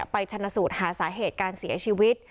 ชนสูตรหาสาเหตุการเสียชีวิต